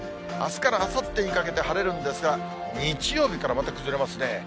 あすからあさってにかけて晴れるんですが、日曜日からまた崩れますね。